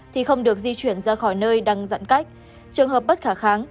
thì không được di chuyển ra khỏi nơi đang dặn cách trường hợp bất khả kháng